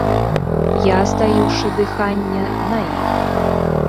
Я, стаіўшы дыханне, на іх.